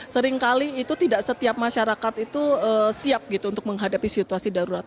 seringkali itu tidak setiap masyarakat itu siap gitu untuk menghadapi situasi darurat